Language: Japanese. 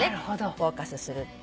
「フォーカスする」って。